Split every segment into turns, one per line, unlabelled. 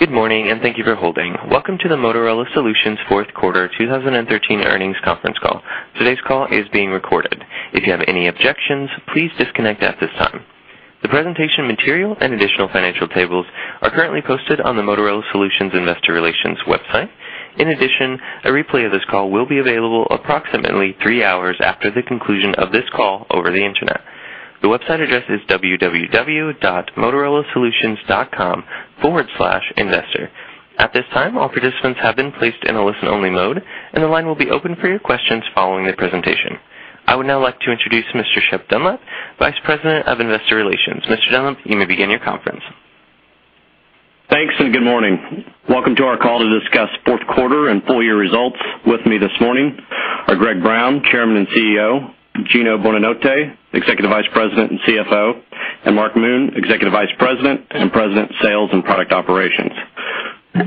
Good morning, and thank you for holding. Welcome to the Motorola Solutions Fourth Quarter 2013 Earnings Conference Call. Today's call is being recorded. If you have any objections, please disconnect at this time. The presentation material and additional financial tables are currently posted on the Motorola Solutions Investor Relations website. In addition, a replay of this call will be available approximately three hours after the conclusion of this call over the Internet. The website address is www.motorolasolutions.com/investor. At this time, all participants have been placed in a listen-only mode, and the line will be open for your questions following the presentation. I would now like to introduce Mr. Shep Dunlap, Vice President of Investor Relations. Mr. Dunlap, you may begin your conference.
Thanks, and good morning. Welcome to our call to discuss fourth quarter and full-year results with me this morning. Our Greg Brown, Chairman and CEO, Gino Bonanotte, Executive Vice President and CFO, and Mark Moon, Executive Vice President and President of Sales and Product Operations.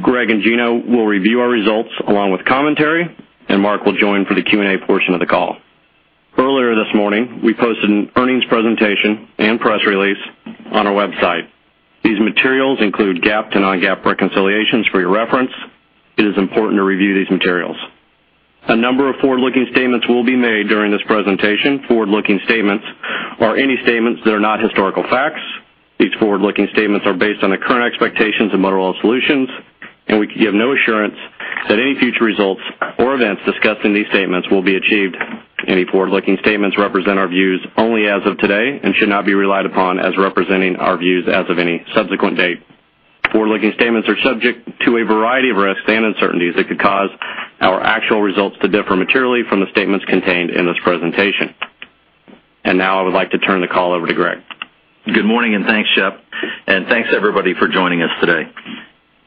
Greg and Gino will review our results along with commentary, and Mark will join for the Q&A portion of the call. Earlier this morning, we posted an earnings presentation and press release on our website. These materials include GAAP to non-GAAP reconciliations for your reference. It is important to review these materials. A number of forward-looking statements will be made during this presentation. Forward-looking statements are any statements that are not historical facts. These forward-looking statements are based on the current expectations of Motorola Solutions, and we can give no assurance that any future results or events discussed in these statements will be achieved. Any forward-looking statements represent our views only as of today and should not be relied upon as representing our views as of any subsequent date. Forward-looking statements are subject to a variety of risks and uncertainties that could cause our actual results to differ materially from the statements contained in this presentation. Now I would like to turn the call over to Greg.
Good morning, and thanks, Shep. Thanks, everybody, for joining us today.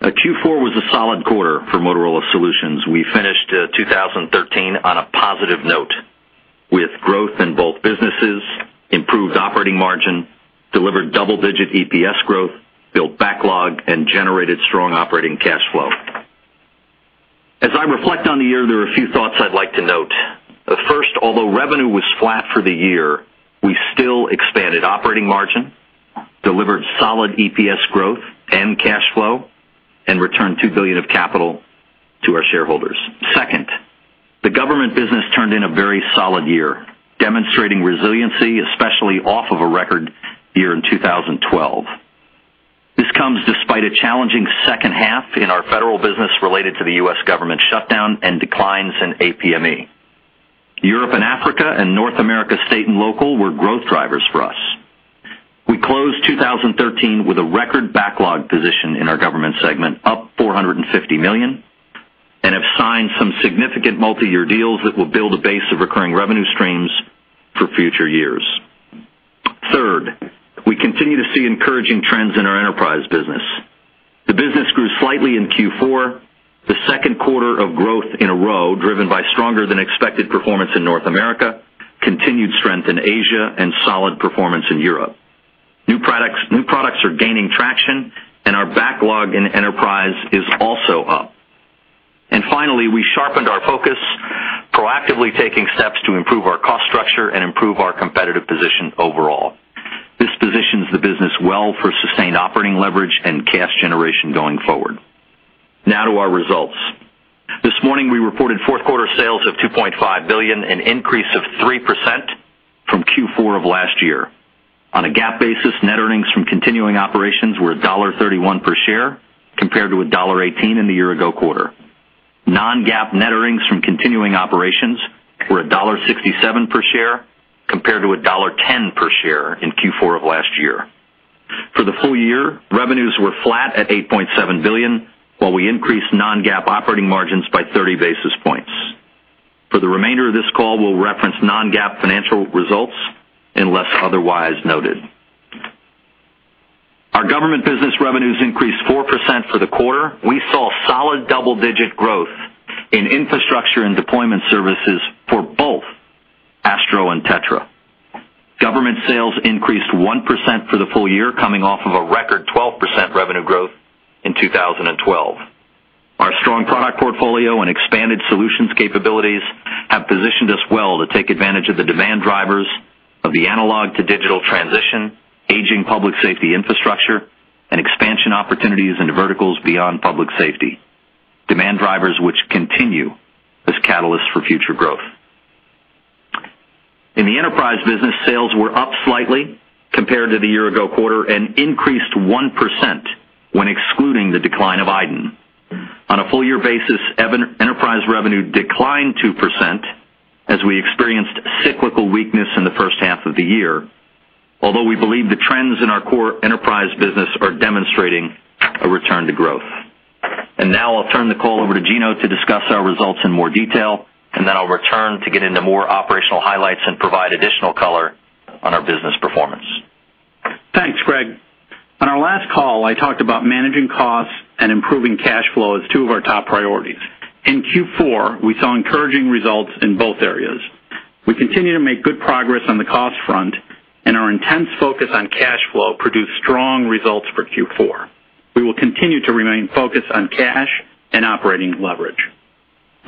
Q4 was a solid quarter for Motorola Solutions. We finished 2013 on a positive note with growth in both businesses, improved operating margin, delivered double-digit EPS growth, built backlog, and generated strong operating cash flow. As I reflect on the year, there are a few thoughts I'd like to note. First, although revenue was flat for the year, we still expanded operating margin, delivered solid EPS growth and cash flow, and returned $2 billion of capital to our shareholders. Second, the government business turned in a very solid year, demonstrating resiliency, especially off of a record year in 2012. This comes despite a challenging second half in our federal business related to the U.S. government shutdown and declines in APME. Europe and Africa and North America state and local were growth drivers for us. We closed 2013 with a record backlog position in our government segment, up $450 million, and have signed some significant multi-year deals that will build a base of recurring revenue streams for future years. Third, we continue to see encouraging trends in enterprise business. The business grew slightly in Q4, the second quarter of growth in a row driven by stronger-than-expected performance in North America, continued strength in Asia, and solid performance in Europe. New products are gaining traction, and our backlog in enterprise is also up. And finally, we sharpened our focus, proactively taking steps to improve our cost structure and improve our competitive position overall. This positions the business well for sustained operating leverage and cash generation going forward. Now to our results. This morning, we reported fourth quarter sales of $2.5 billion, an increase of 3% from Q4 of last year. On a GAAP basis, net earnings from continuing operations were $1.31 per share compared to $1.18 in the year-ago quarter. Non-GAAP net earnings from continuing operations were $1.67 per share compared to $1.10 per share in Q4 of last year. For the full year, revenues were flat at $8.7 billion, while we increased non-GAAP operating margins by 30 basis points. For the remainder of this call, we'll reference non-GAAP financial results unless otherwise noted. Our government business revenues increased 4% for the quarter. We saw solid double-digit growth in infrastructure and deployment services for both ASTRO and TETRA. Government sales increased 1% for the full year, coming off of a record 12% revenue growth in 2012. Our strong product portfolio and expanded solutions capabilities have positioned us well to take advantage of the demand drivers of the analog-to-digital transition, aging public safety infrastructure, and expansion opportunities into verticals beyond public safety. Demand drivers which continue as catalysts for future growth. In enterprise business, sales were up slightly compared to the year-ago quarter and increased 1% when excluding the decline of iDEN. On a full-year basis, enterprise revenue declined 2% as we experienced cyclical weakness in the first half of the year, although we believe the trends in our enterprise business are demonstrating a return to growth. And now I'll turn the call over to Gino to discuss our results in more detail, and then I'll return to get into more operational highlights and provide additional color on our business performance.
Thanks, Greg. On our last call, I talked about managing costs and improving cash flow as two of our top priorities. In Q4, we saw encouraging results in both areas. We continue to make good progress on the cost front, and our intense focus on cash flow produced strong results for Q4. We will continue to remain focused on cash and operating leverage.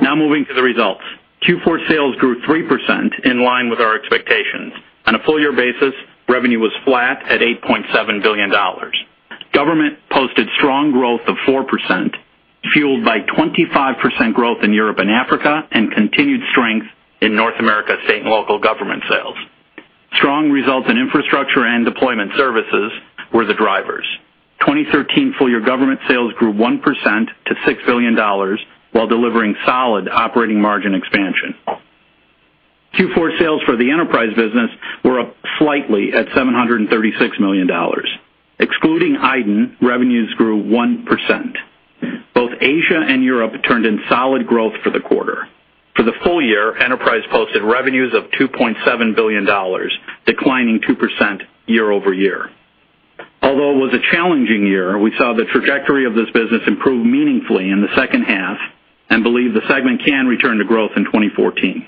Now moving to the results. Q4 sales grew 3% in line with our expectations. On a full-year basis, revenue was flat at $8.7 billion. Government posted strong growth of 4%, fueled by 25% growth in Europe and Africa and continued strength in North America state and local government sales. Strong results in infrastructure and deployment services were the drivers. 2013 full-year government sales grew 1% to $6 billion while delivering solid operating margin expansion. Q4 sales for enterprise business were up slightly at $736 million. Excluding iDEN, revenues grew 1%. Both Asia and Europe turned in solid growth for the quarter. For the full year, enterprise posted revenues of $2.7 billion, declining 2% year-over-year. Although it was a challenging year, we saw the trajectory of this business improve meaningfully in the second half and believe the segment can return to growth in 2014.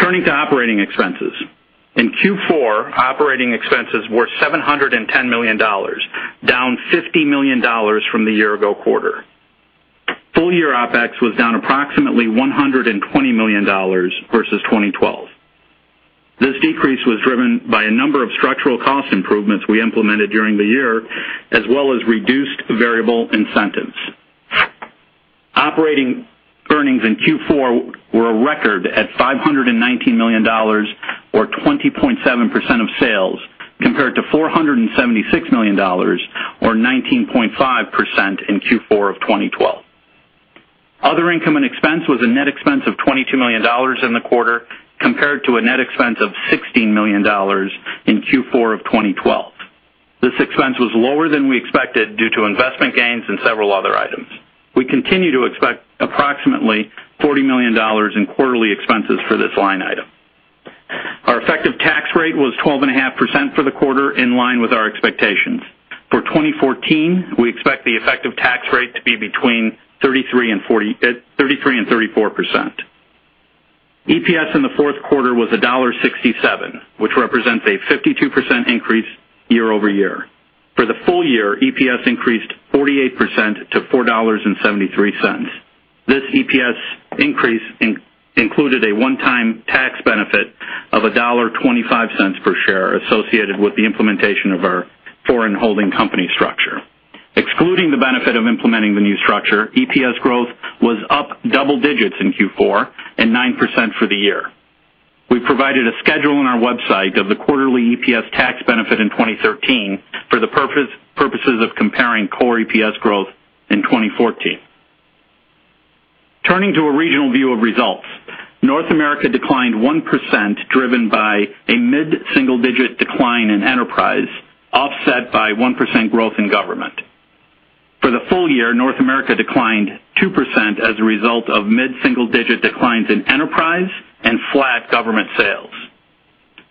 Turning to operating expenses. In Q4, operating expenses were $710 million, down $50 million from the year-ago quarter. Full-year OPEX was down approximately $120 million versus 2012. This decrease was driven by a number of structural cost improvements we implemented during the year, as well as reduced variable incentives. Operating earnings in Q4 were a record at $519 million, or 20.7% of sales, compared to $476 million, or 19.5% in Q4 of 2012. Other income and expense was a net expense of $22 million in the quarter compared to a net expense of $16 million in Q4 of 2012. This expense was lower than we expected due to investment gains and several other items. We continue to expect approximately $40 million in quarterly expenses for this line item. Our effective tax rate was 12.5% for the quarter, in line with our expectations. For 2014, we expect the effective tax rate to be between 33% and 34%. EPS in the fourth quarter was $1.67, which represents a 52% increase year-over-year. For the full year, EPS increased 48% to $4.73. This EPS increase included a one-time tax benefit of $1.25 per share associated with the implementation of our foreign holding company structure. Excluding the benefit of implementing the new structure, EPS growth was up double digits in Q4 and 9% for the year. We provided a schedule on our website of the quarterly EPS tax benefit in 2013 for the purposes of comparing core EPS growth in 2014. Turning to a regional view of results, North America declined 1% driven by a mid-single-digit decline in enterprise, offset by 1% growth in government. For the full year, North America declined 2% as a result of mid-single-digit declines in enterprise and flat government sales.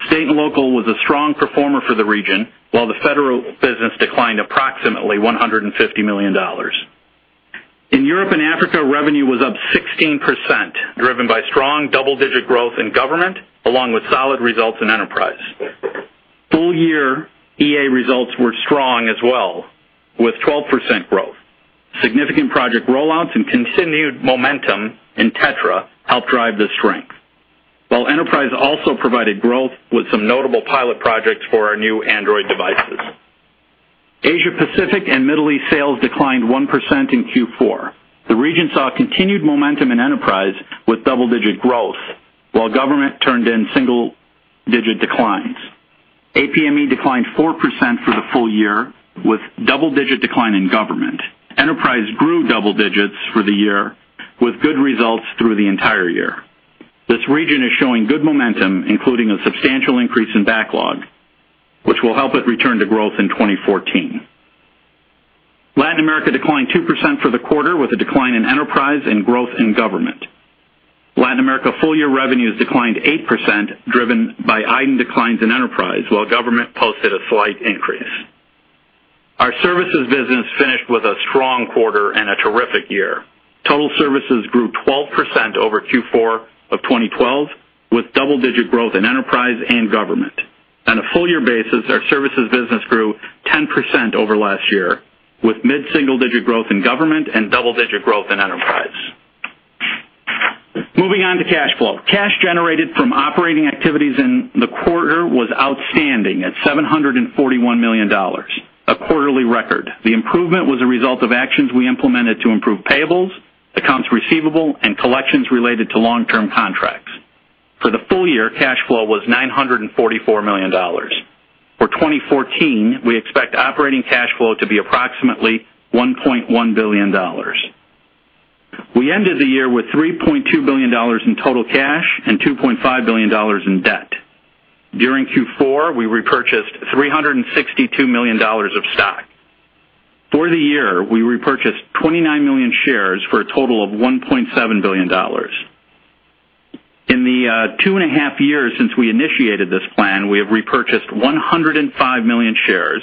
State and local was a strong performer for the region, while the federal business declined approximately $150 million. In Europe and Africa, revenue was up 16%, driven by strong double-digit growth in government along with solid results in enterprise. Full-year EA results were strong as well, with 12% growth. Significant project rollouts and continued momentum in TETRA helped drive the strength, while enterprise also provided growth with some notable pilot projects for our new Android devices. Asia-Pacific and Middle East sales declined 1% in Q4. The region saw continued momentum in enterprise with double-digit growth, while government turned in single-digit declines. APME declined 4% for the full year, with double-digit decline in government. Enterprise grew double digits for the year, with good results through the entire year. This region is showing good momentum, including a substantial increase in backlog, which will help with return to growth in 2014. Latin America declined 2% for the quarter, with a decline in enterprise and growth in government. Latin America full-year revenues declined 8%, driven by iDEN declines in enterprise, while government posted a slight increase. Our services business finished with a strong quarter and a terrific year. Total services grew 12% over Q4 of 2012, with double-digit growth in enterprise and government. On a full-year basis, our services business grew 10% over last year, with mid-single-digit growth in government and double-digit growth in enterprise. Moving on to cash flow. Cash generated from operating activities in the quarter was outstanding at $741 million, a quarterly record. The improvement was a result of actions we implemented to improve payables, accounts receivable, and collections related to long-term contracts. For the full year, cash flow was $944 million. For 2014, we expect operating cash flow to be approximately $1.1 billion. We ended the year with $3.2 billion in total cash and $2.5 billion in debt. During Q4, we repurchased $362 million of stock. For the year, we repurchased 29 million shares for a total of $1.7 billion. In the two and a half years since we initiated this plan, we have repurchased 105 million shares,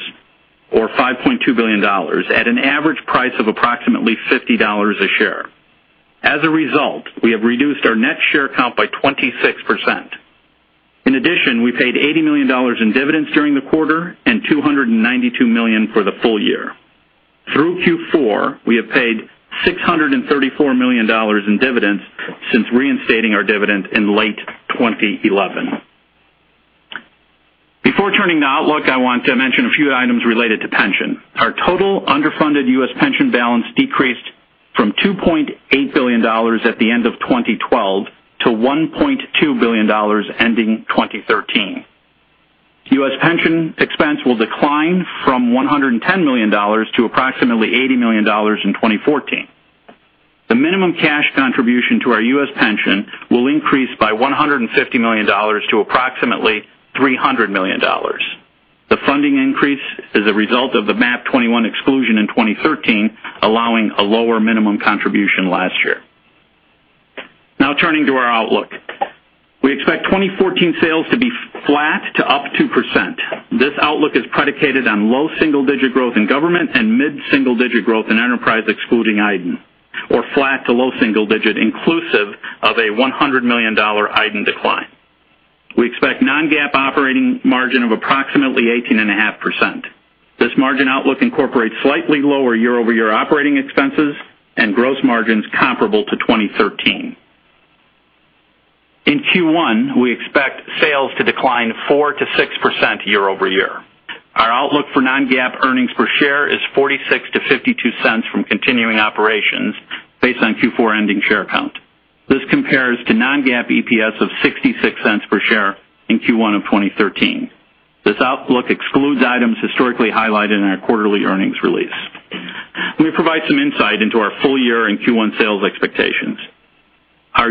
or $5.2 billion, at an average price of approximately $50 a share. As a result, we have reduced our net share count by 26%. In addition, we paid $80 million in dividends during the quarter and $292 million for the full year. Through Q4, we have paid $634 million in dividends since reinstating our dividend in late 2011. Before turning to outlook, I want to mention a few items related to pension. Our total underfunded U.S. pension balance decreased from $2.8 billion at the end of 2012 to $1.2 billion ending 2013. U.S. pension expense will decline from $110 million to approximately $80 million in 2014. The minimum cash contribution to our U.S. pension will increase by $150 million to approximately $300 million. The funding increase is a result of the MAP-21 exclusion in 2013, allowing a lower minimum contribution last year. Now turning to our outlook, we expect 2014 sales to be flat to up 2%. This outlook is predicated on low single-digit growth in government and mid-single-digit growth in enterprise excluding iDEN, or flat to low single-digit inclusive of a $100 million iDEN decline. We expect non-GAAP operating margin of approximately 18.5%. This margin outlook incorporates slightly lower year-over-year operating expenses and gross margins comparable to 2013. In Q1, we expect sales to decline 4%-6% year-over-year. Our outlook for non-GAAP earnings per share is $0.46-$0.52 from continuing operations based on Q4 ending share count. This compares to non-GAAP EPS of $0.66 per share in Q1 of 2013. This outlook excludes items historically highlighted in our quarterly earnings release. Let me provide some insight into our full-year and Q1 sales expectations. Our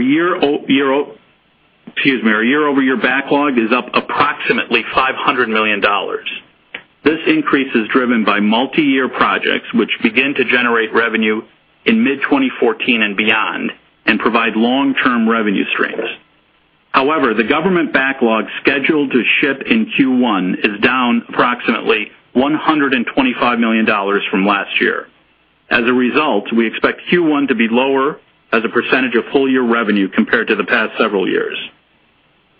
year-over-year backlog is up approximately $500 million. This increase is driven by multi-year projects which begin to generate revenue in mid-2014 and beyond and provide long-term revenue streams. However, the government backlog scheduled to ship in Q1 is down approximately $125 million from last year. As a result, we expect Q1 to be lower as a percentage of full-year revenue compared to the past several years.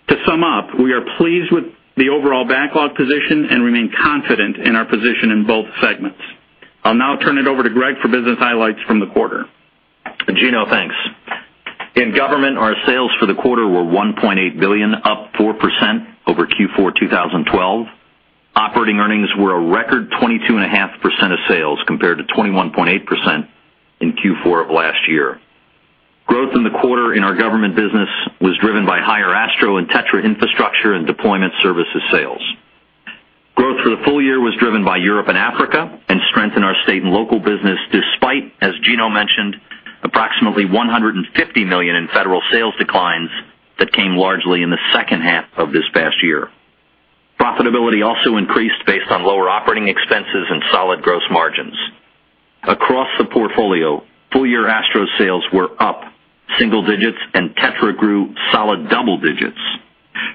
To sum up, we are pleased with the overall backlog position and remain confident in our position in both segments. I'll now turn it over to Greg for business highlights from the quarter.
Gino, thanks. In government, our sales for the quarter were $1.8 billion, up 4% over Q4 2012. Operating earnings were a record 22.5% of sales compared to 21.8% in Q4 of last year. Growth in the quarter in our government business was driven by higher ASTRO and TETRA infrastructure and deployment services sales. Growth for the full year was driven by Europe and Africa and strengthened our state and local business despite, as Gino mentioned, approximately $150 million in federal sales declines that came largely in the second half of this past year. Profitability also increased based on lower operating expenses and solid gross margins. Across the portfolio, full-year ASTRO sales were up single digits, and TETRA grew solid double digits.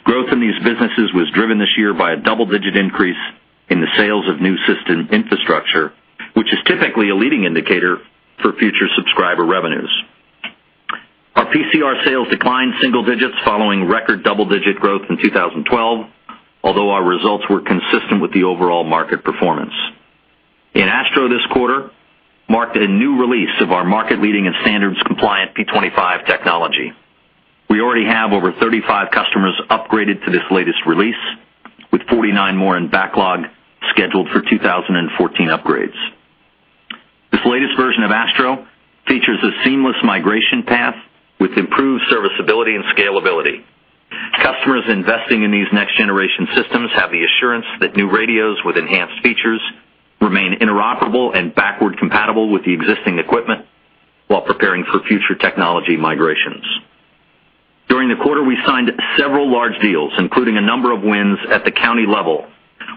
Growth in these businesses was driven this year by a double-digit increase in the sales of new system infrastructure, which is typically a leading indicator for future subscriber revenues. Our PCR sales declined single digits following record double-digit growth in 2012, although our results were consistent with the overall market performance. In ASTRO this quarter, we marked a new release of our market-leading and standards-compliant P25 technology. We already have over 35 customers upgraded to this latest release, with 49 more in backlog scheduled for 2014 upgrades. This latest version of ASTRO features a seamless migration path with improved serviceability and scalability. Customers investing in these next-generation systems have the assurance that new radios with enhanced features remain interoperable and backward-compatible with the existing equipment while preparing for future technology migrations. During the quarter, we signed several large deals, including a number of wins at the county level,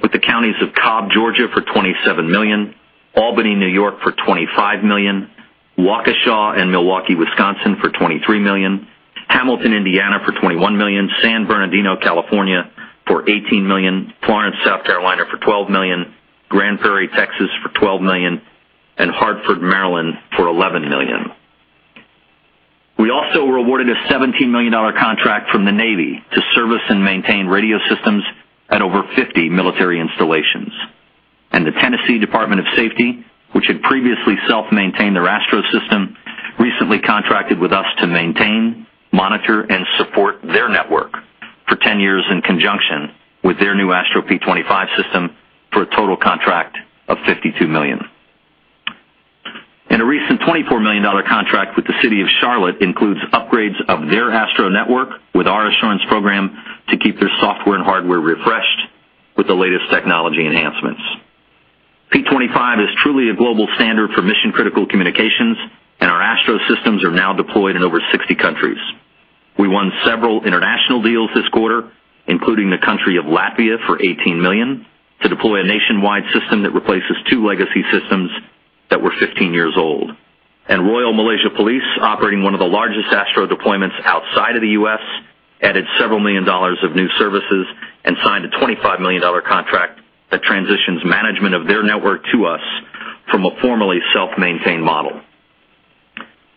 with the counties of Cobb, Georgia, for $27 million, Albany, New York, for $25 million, Waukesha and Milwaukee, Wisconsin, for $23 million, Hamilton, Indiana, for $21 million, San Bernardino, California, for $18 million, Florence, South Carolina, for $12 million, Grand Prairie, Texas, for $12 million, and Harford, Maryland, for $11 million. We also were awarded a $17 million contract from the Navy to service and maintain radio systems at over 50 military installations. The Tennessee Department of Safety, which had previously self-maintained their ASTRO system, recently contracted with us to maintain, monitor, and support their network for 10 years in conjunction with their new ASTRO P25 system for a total contract of $52 million. And a recent $24 million contract with the City of Charlotte includes upgrades of their ASTRO network with our assurance program to keep their software and hardware refreshed with the latest technology enhancements. P25 is truly a global standard for mission-critical communications, and our ASTRO systems are now deployed in over 60 countries. We won several international deals this quarter, including the country of Latvia for $18 million, to deploy a nationwide system that replaces two legacy systems that were 15 years old. And Royal Malaysia Police, operating one of the largest ASTRO deployments outside of the U.S., added several million dollars of new services and signed a $25 million contract that transitions management of their network to us from a formerly self-maintained model.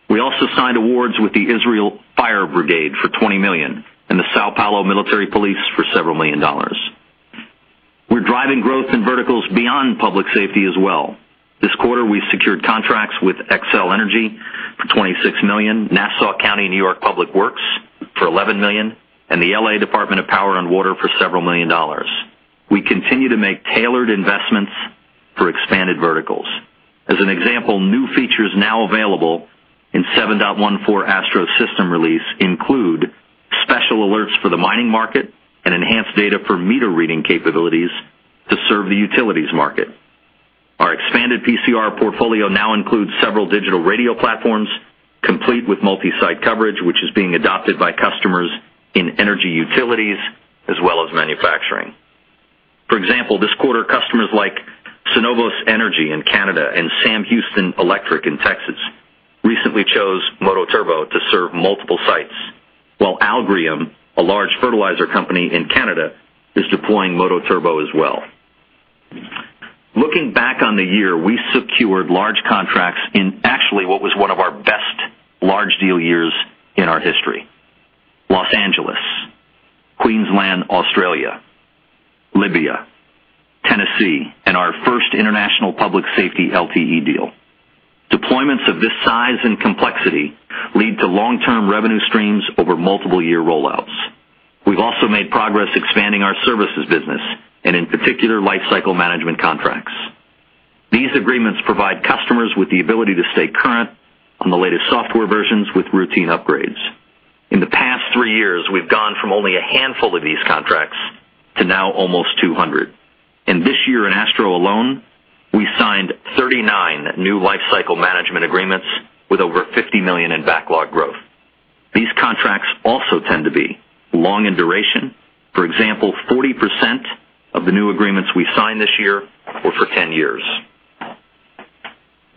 We also signed awards with the Israel Fire Brigade for $20 million and the São Paulo Military Police for several million dollars. We're driving growth in verticals beyond public safety as well. This quarter, we secured contracts with Xcel Energy for $26 million, Nassau County Department of Public Works for $11 million, and the Los Angeles Department of Water and Power for several million dollars. We continue to make tailored investments for expanded verticals. As an example, new features now available in 7.14 ASTRO system release include special alerts for the mining market and enhanced data for meter reading capabilities to serve the utilities market. Our expanded PCR portfolio now includes several digital radio platforms complete with multi-site coverage, which is being adopted by customers in energy utilities as well as manufacturing. For example, this quarter, customers like Cenovus Energy in Canada and Sam Houston Electric Cooperative in Texas recently chose MOTOTRBO to serve multiple sites, while Agrium, a large fertilizer company in Canada, is deploying MOTOTRBO as well. Looking back on the year, we secured large contracts in actually what was one of our best large deal years in our history: Los Angeles, Queensland, Australia, Libya, Tennessee, and our first international public safety LTE deal. Deployments of this size and complexity lead to long-term revenue streams over multiple-year rollouts. We've also made progress expanding our services business and, in particular, lifecycle management contracts. These agreements provide customers with the ability to stay current on the latest software versions with routine upgrades. In the past three years, we've gone from only a handful of these contracts to now almost 200. And this year, in ASTRO alone, we signed 39 new lifecycle management agreements with over $50 million in backlog growth. These contracts also tend to be long in duration. For example, 40% of the new agreements we signed this year were for 10 years.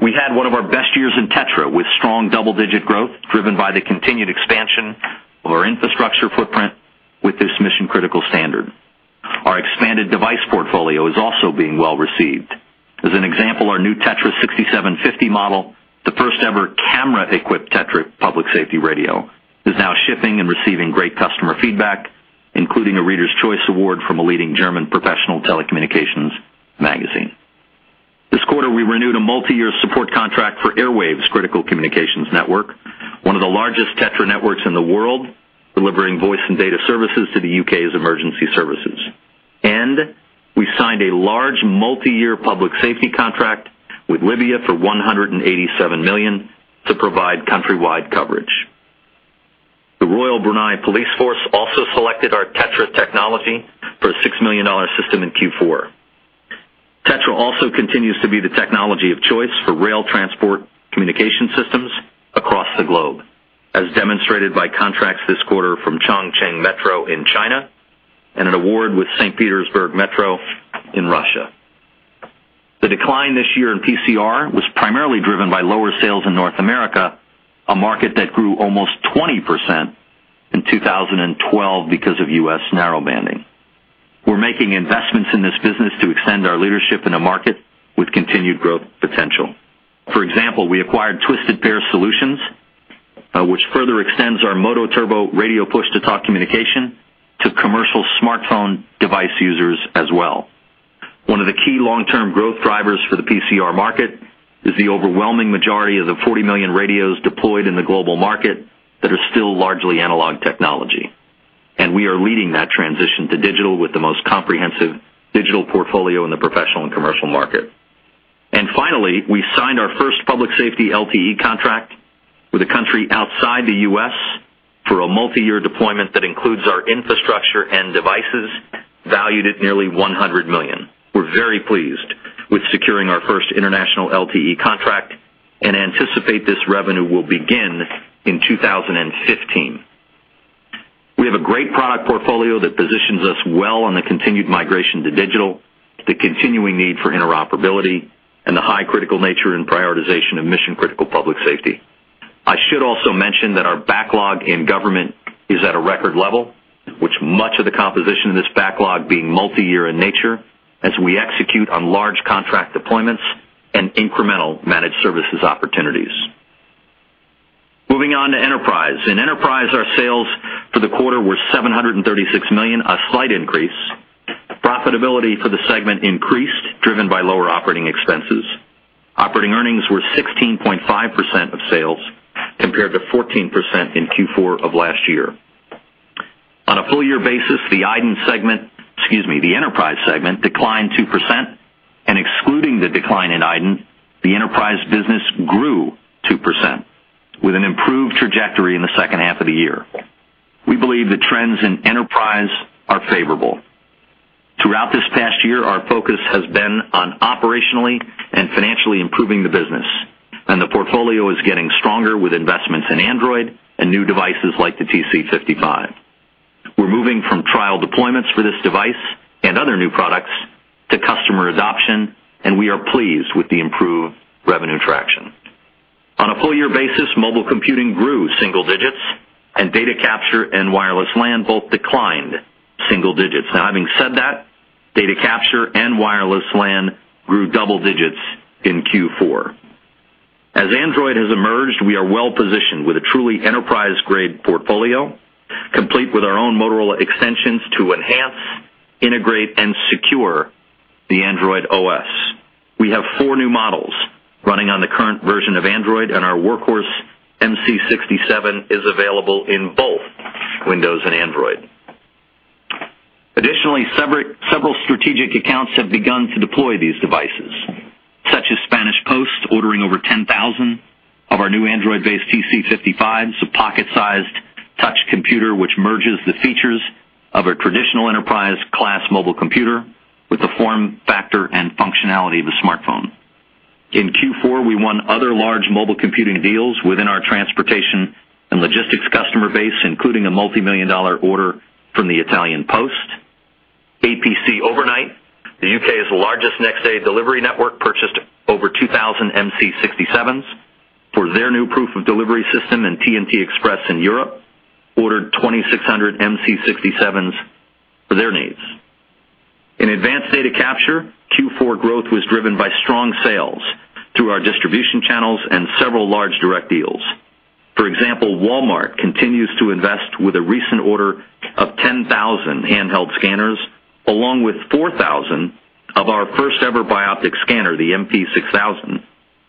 We had one of our best years in TETRA with strong double-digit growth driven by the continued expansion of our infrastructure footprint with this mission-critical standard. Our expanded device portfolio is also being well received. As an example, our new TETRA 6750 model, the first-ever camera-equipped TETRA public safety radio, is now shipping and receiving great customer feedback, including a Reader's Choice Award from a leading German professional telecommunications magazine. This quarter, we renewed a multi-year support contract for Airwave Critical Communications Network, one of the largest TETRA networks in the world, delivering voice and data services to the U.K.'s emergency services. We signed a large multi-year public safety contract with Libya for $187 million to provide countrywide coverage. The Royal Brunei Police Force also selected our TETRA technology for a $6 million system in Q4. TETRA also continues to be the technology of choice for rail transport communication systems across the globe, as demonstrated by contracts this quarter from Chongqing Metro in China and an award with St. Petersburg Metro in Russia. The decline this year in PCR was primarily driven by lower sales in North America, a market that grew almost 20% in 2012 because of U.S. narrowbanding. We're making investments in this business to extend our leadership in a market with continued growth potential. For example, we acquired Twisted Pair Solutions, which further extends our MOTOTRBO radio push-to-talk communication to commercial smartphone device users as well. One of the key long-term growth drivers for the PCR market is the overwhelming majority of the 40 million radios deployed in the global market that are still largely analog technology. We are leading that transition to digital with the most comprehensive digital portfolio in the professional and commercial market. Finally, we signed our first public safety LTE contract with a country outside the U.S. for a multi-year deployment that includes our infrastructure and devices valued at nearly $100 million. We're very pleased with securing our first international LTE contract and anticipate this revenue will begin in 2015. We have a great product portfolio that positions us well on the continued migration to digital, the continuing need for interoperability, and the high critical nature and prioritization of mission-critical public safety. I should also mention that our backlog in government is at a record level, with much of the composition of this backlog being multi-year in nature as we execute on large contract deployments and incremental managed services opportunities. Moving on to enterprise. In enterprise, our sales for the quarter were $736 million, a slight increase. Profitability for the segment increased, driven by lower operating expenses. Operating earnings were 16.5% of sales, compared to 14% in Q4 of last year. On a full-year basis, the iDEN segment, excuse me, the enterprise segment declined 2%. And excluding the decline in iDEN, the enterprise business grew 2%, with an improved trajectory in the second half of the year. We believe the trends in enterprise are favorable. Throughout this past year, our focus has been on operationally and financially improving the business, and the portfolio is getting stronger with investments in Android and new devices like the TC55. We're moving from trial deployments for this device and other new products to customer adoption, and we are pleased with the improved revenue traction. On a full-year basis, mobile computing grew single digits, and data capture and wireless LAN both declined single digits. Now, having said that, data capture and wireless LAN grew double digits in Q4. As Android has emerged, we are well positioned with a truly enterprise-grade portfolio, complete with our own Motorola extensions to enhance, integrate, and secure the Android OS. We have four new models running on the current version of Android, and our workhorse MC67 is available in both Windows and Android. Additionally, several strategic accounts have begun to deploy these devices, such as Spanish Post, ordering over 10,000 of our new Android-based TC55, a pocket-sized touch computer which merges the features of a traditional enterprise-class mobile computer with the form factor and functionality of a smartphone. In Q4, we won other large mobile computing deals within our transportation and logistics customer base, including a $ multi-million order from Poste Italiane. APC Overnight, the U.K.'s largest next-day delivery network, purchased over 2,000 MC67s for their new proof-of-delivery system and TNT Express in Europe, ordered 2,600 MC67s for their needs. In advanced data capture, Q4 growth was driven by strong sales through our distribution channels and several large direct deals. For example, Walmart continues to invest with a recent order of 10,000 handheld scanners, along with 4,000 of our first-ever bioptic scanner, the MP6000,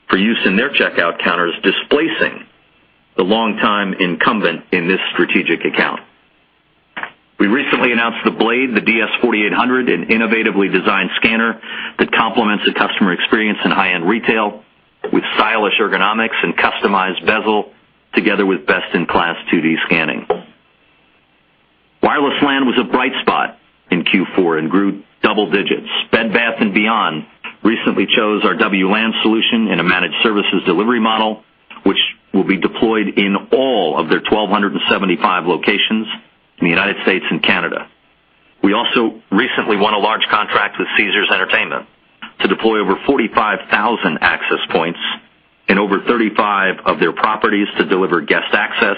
for use in their checkout counters, displacing the long-time incumbent in this strategic account. We recently announced the Blade, the DS4800, an innovatively designed scanner that complements the customer experience in high-end retail with stylish ergonomics and customized bezel, together with best-in-class 2D scanning. Wireless LAN was a bright spot in Q4 and grew double digits. Bed Bath & Beyond recently chose our WLAN solution in a managed services delivery model, which will be deployed in all of their 1,275 locations in the United States and Canada. We also recently won a large contract with Caesars Entertainment to deploy over 45,000 access points in over 35 of their properties to deliver guest access,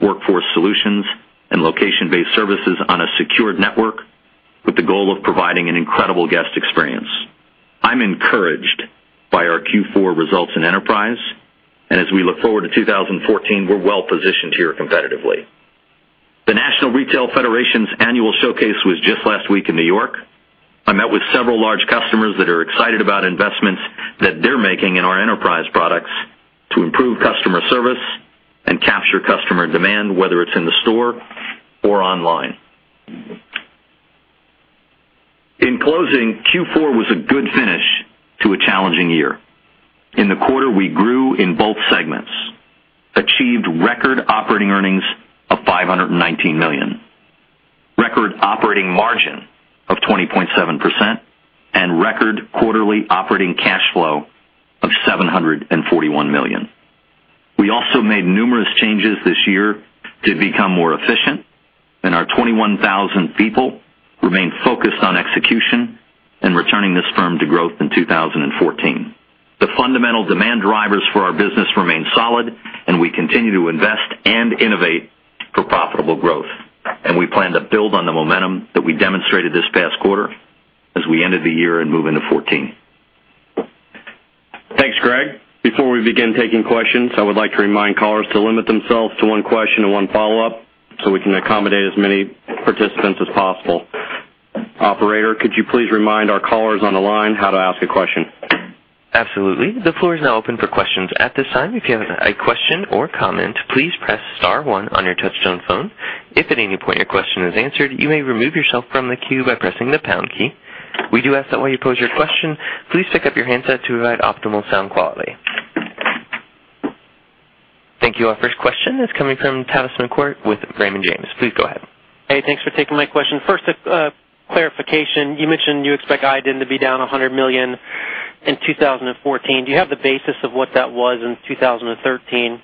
workforce solutions, and location-based services on a secured network with the goal of providing an incredible guest experience. I'm encouraged by our Q4 results in enterprise, and as we look forward to 2014, we're well positioned here competitively. The National Retail Federation's annual showcase was just last week in New York. I met with several large customers that are excited about investments that they're making in our enterprise products to improve customer service and capture customer demand, whether it's in the store or online. In closing, Q4 was a good finish to a challenging year. In the quarter, we grew in both segments, achieved record operating earnings of $519 million, record operating margin of 20.7%, and record quarterly operating cash flow of $741 million. We also made numerous changes this year to become more efficient, and our 21,000 people remained focused on execution and returning this firm to growth in 2014. The fundamental demand drivers for our business remain solid, and we continue to invest and innovate for profitable growth. And we plan to build on the momentum that we demonstrated this past quarter as we ended the year and move into 2014.
Thanks, Greg. Before we begin taking questions, I would like to remind callers to limit themselves to one question and one follow-up so we can accommodate as many participants as possible. Operator, could you please remind our callers on the line how to ask a question?
Absolutely. The floor is now open for questions at this time. If you have a question or comment, please press star one on your touch-tone phone. If at any point your question is answered, you may remove yourself from the queue by pressing the pound key. We do ask that while you pose your question, please pick up your handset to provide optimal sound quality. Thank you. Our first question is coming from Tavis McCourt with Raymond James. Please go ahead.
Hey, thanks for taking my question. First, a clarification. You mentioned you expect iDEN to be down $100 million in 2014. Do you have the basis of what that was in 2013?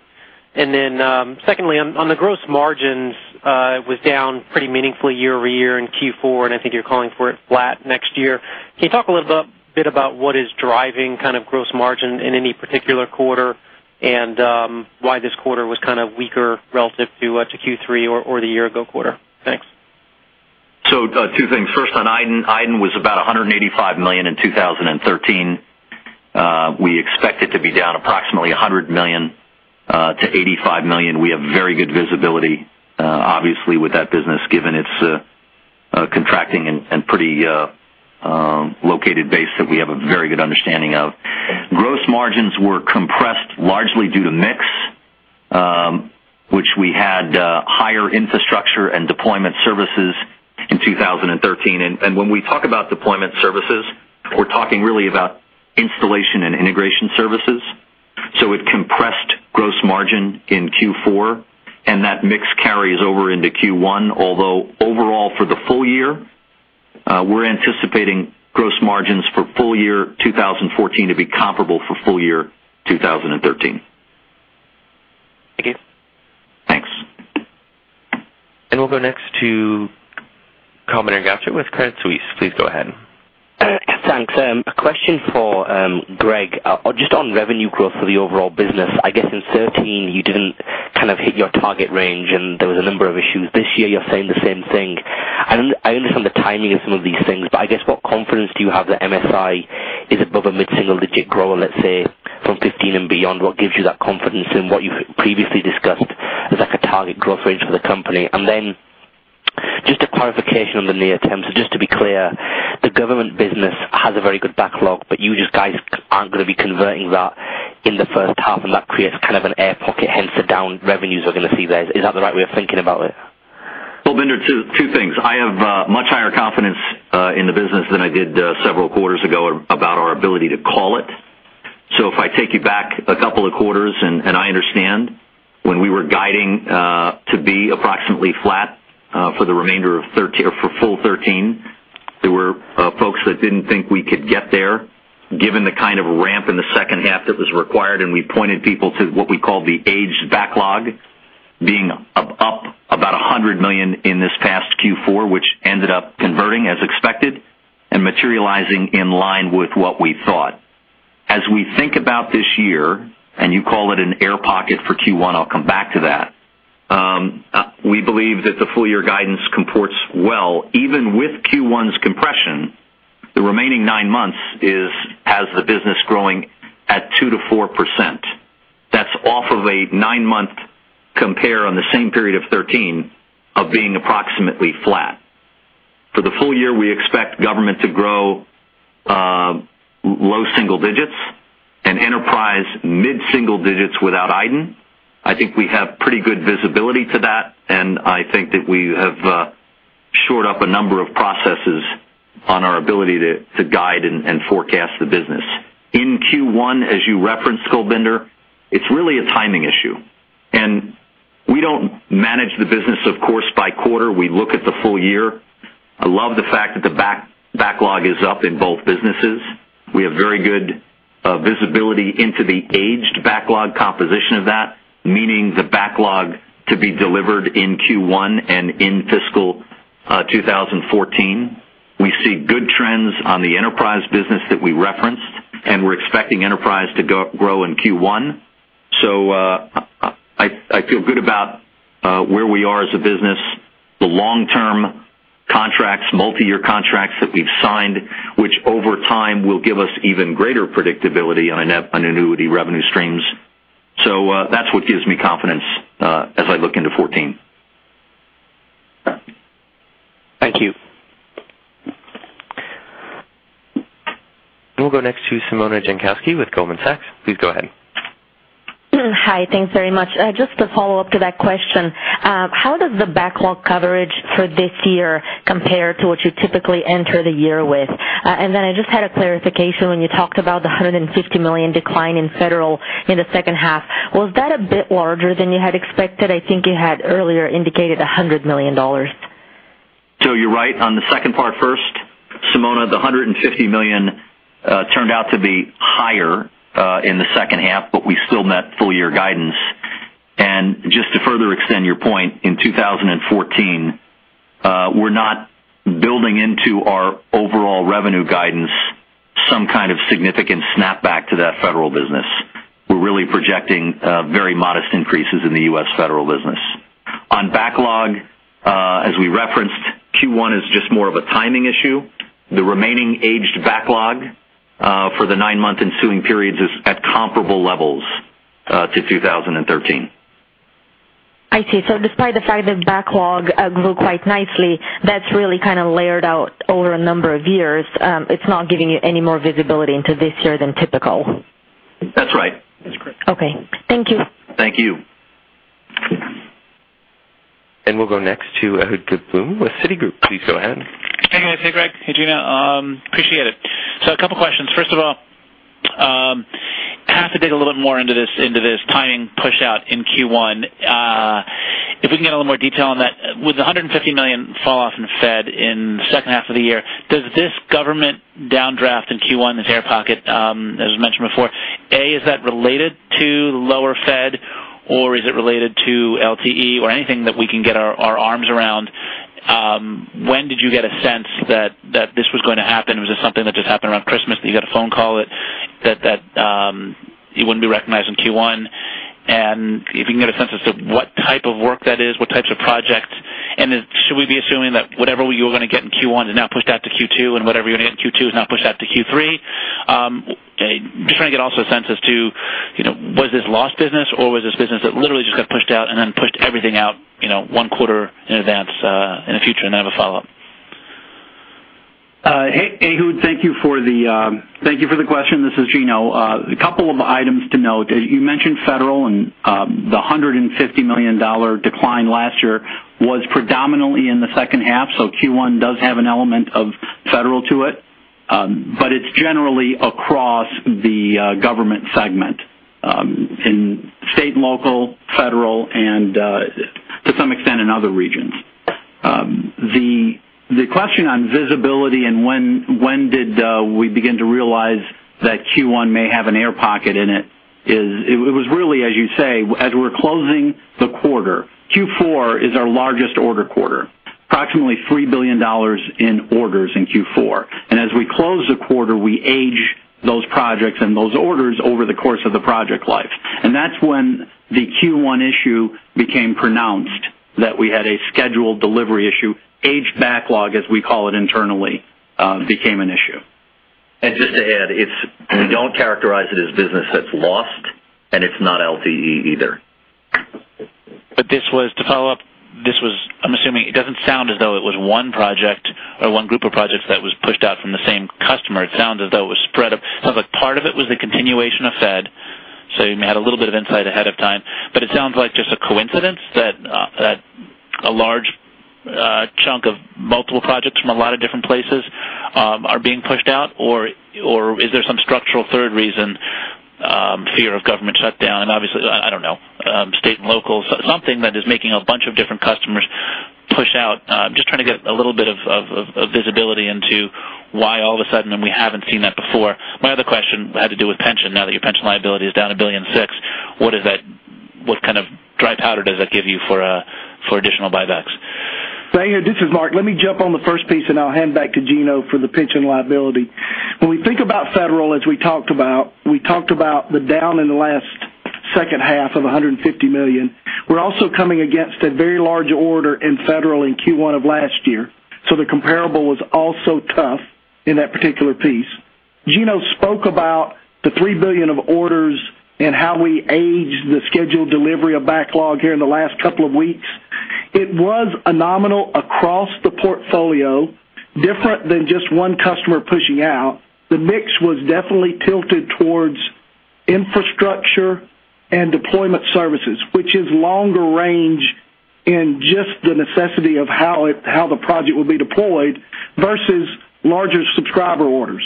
And then secondly, on the gross margins, it was down pretty meaningfully year-over-year in Q4, and I think you're calling for it flat next year. Can you talk a little bit about what is driving kind of gross margin in any particular quarter and why this quarter was kind of weaker relative to Q3 or the year-ago quarter? Thanks.
So two things. First, on iDEN, iDEN was about $185 million in 2013. We expect it to be down approximately $100 million-$85 million. We have very good visibility, obviously, with that business, given its contracting and predictable base that we have a very good understanding of. Gross margins were compressed largely due to mix, which we had higher infrastructure and deployment services in 2013. And when we talk about deployment services, we're talking really about installation and integration services. So it compressed gross margin in Q4, and that mix carries over into Q1, although overall for the full year, we're anticipating gross margins for full year 2014 to be comparable for full year 2013.
Thank you.
Thanks.
And we'll go next to Kulbinder Garcha with Credit Suisse. Please go ahead.
Thanks. A question for Greg. Just on revenue growth for the overall business, I guess in 2013, you didn't kind of hit your target range, and there was a number of issues. This year, you're saying the same thing. I understand the timing of some of these things, but I guess what confidence do you have that MSI is above a mid-single-digit grower, let's say, from 2015 and beyond? What gives you that confidence in what you've previously discussed as a target growth range for the company? And then just a clarification on the near-term. So just to be clear, the government business has a very good backlog, but you guys aren't going to be converting that in the first half, and that creates kind of an air pocket, hence the down revenues we're going to see there. Is that the right way of thinking about it?
Well, Kulbinder, two things. I have much higher confidence in the business than I did several quarters ago about our ability to call it. So if I take you back a couple of quarters, and I understand when we were guiding to be approximately flat for the remainder of 2013 or for full 2013, there were folks that didn't think we could get there, given the kind of ramp in the second half that was required, and we pointed people to what we called the aged backlog, being up about $100 million in this past Q4, which ended up converting as expected and materializing in line with what we thought. As we think about this year, and you call it an air pocket for Q1, I'll come back to that, we believe that the full-year guidance comports well. Even with Q1's compression, the remaining nine months has the business growing at 2%-4%. That's off of a nine-month compare on the same period of 2013 of being approximately flat. For the full year, we expect government to grow low single digits and enterprise mid-single digits without iDEN. I think we have pretty good visibility to that, and I think that we have shored up a number of processes on our ability to guide and forecast the business. In Q1, as you referenced, Kulbinder, it's really a timing issue. And we don't manage the business, of course, by quarter. We look at the full year. I love the fact that the backlog is up in both businesses. We have very good visibility into the aged backlog composition of that, meaning the backlog to be delivered in Q1 and in fiscal 2014. We see good trends on enterprise business that we referenced, and we're expecting enterprise to grow in Q1. So I feel good about where we are as a business, the long-term contracts, multi-year contracts that we've signed, which over time will give us even greater predictability on annuity revenue streams. So that's what gives me confidence as I look into 2014.
Thank you.
And we'll go next to Simona Jankowski with Goldman Sachs. Please go ahead.
Hi. Thanks very much. Just to follow up to that question, how does the backlog coverage for this year compare to what you typically enter the year with? And then I just had a clarification when you talked about the $150 million decline in federal in the second half. Was that a bit larger than you had expected? I think you had earlier indicated $100 million.
So, you're right on the second part first. Simona, the $150 million turned out to be higher in the second half, but we still met full-year guidance. And just to further extend your point, in 2014, we're not building into our overall revenue guidance some kind of significant snapback to that federal business. We're really projecting very modest increases in the U.S. federal business. On backlog, as we referenced, Q1 is just more of a timing issue. The remaining aged backlog for the nine-month ensuing periods is at comparable levels to 2013.
I see. So despite the fact that backlog grew quite nicely, that's really kind of layered out over a number of years. It's not giving you any more visibility into this year than typical.
That's right. That's correct.
Okay. Thank you.
Thank you.
And we'll go next to Ehud Gelblum with Citigroup. Please go ahead.
Hey, guys. Hey, Greg. Hey, Gino. Appreciate it. So a couple of questions. First of all, have to dig a little bit more into this timing push-out in Q1. If we can get a little more detail on that, with the $150 million falloff in Fed in the second half of the year, does this government downdraft in Q1, this air pocket, as mentioned before, A, is that related to lower Fed, or is it related to LTE or anything that we can get our arms around? When did you get a sense that this was going to happen? Was it something that just happened around Christmas that you got a phone call that you wouldn't be recognized in Q1? If you can get a sense as to what type of work that is, what types of projects, and should we be assuming that whatever you were going to get in Q1 is now pushed out to Q2 and whatever you're going to get in Q2 is now pushed out to Q3? Just trying to get also a sense as to was this lost business or was this business that literally just got pushed out and then pushed everything out one quarter in advance in the future and then have a follow-up?
Hey, Ehud, thank you for the question. This is Gino. A couple of items to note. You mentioned federal, and the $150 million decline last year was predominantly in the second half. So Q1 does have an element of federal to it, but it's generally across the government segment in state, local, federal, and to some extent in other regions. The question on visibility and when did we begin to realize that Q1 may have an air pocket in it is it was really, as you say, as we're closing the quarter, Q4 is our largest order quarter, approximately $3 billion in orders in Q4. And as we close the quarter, we age those projects and those orders over the course of the project life. And that's when the Q1 issue became pronounced that we had a scheduled delivery issue. Aged backlog, as we call it internally, became an issue.
And just to add, we don't characterize it as business that's lost, and it's not LTE either.
But this was to follow up. I'm assuming it doesn't sound as though it was one project or one group of projects that was pushed out from the same customer. It sounds as though it was spread out. Sounds like part of it was the continuation of Fed. So you may have had a little bit of insight ahead of time. But it sounds like just a coincidence that a large chunk of multiple projects from a lot of different places are being pushed out, or is there some structural third reason, fear of government shutdown? And obviously, I don't know, state and local, something that is making a bunch of different customers push out. Just trying to get a little bit of visibility into why all of a sudden we haven't seen that before. My other question had to do with pension. Now that your pension liability is down $1.6 billion, what kind of dry powder does that give you for additional buybacks?
Thank you. This is Mark. Let me jump on the first piece, and I'll hand back to Gino for the pension liability. When we think about federal, as we talked about, we talked about the down in the last second half of $150 million. We're also coming against a very large order in federal in Q1 of last year. So the comparable was also tough in that particular piece. Gino spoke about the $3 billion of orders and how we aged the scheduled delivery of backlog here in the last couple of weeks. It was a nominal across the portfolio, different than just one customer pushing out. The mix was definitely tilted towards infrastructure and deployment services, which is longer range in just the necessity of how the project will be deployed versus larger subscriber orders.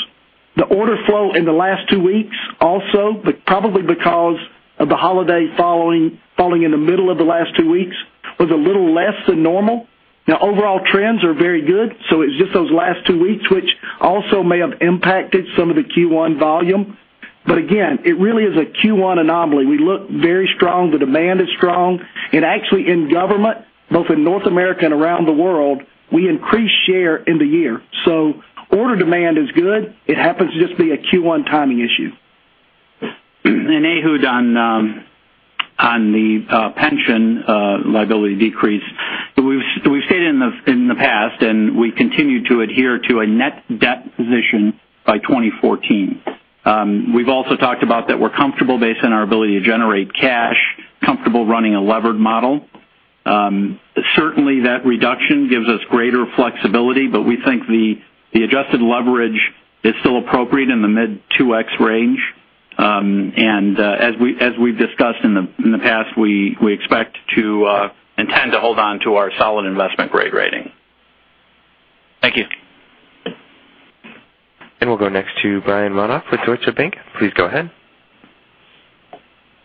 The order flow in the last two weeks also, probably because of the holiday falling in the middle of the last two weeks, was a little less than normal. Now, overall trends are very good. So it's just those last two weeks, which also may have impacted some of the Q1 volume. But again, it really is a Q1 anomaly. We look very strong. The demand is strong. And actually, in government, both in North America and around the world, we increase share in the year. So order demand is good. It happens to just be a Q1 timing issue.
And Ehud on the pension liability decrease. We've stated in the past, and we continue to adhere to a net debt position by 2014. We've also talked about that we're comfortable based on our ability to generate cash, comfortable running a levered model. Certainly, that reduction gives us greater flexibility, but we think the adjusted leverage is still appropriate in the mid-2x range. And as we've discussed in the past, we expect to intend to hold on to our solid investment grade rating.
Thank you.
And we'll go next to Brian Modoff with Deutsche Bank. Please go ahead.